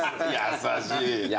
優しいや。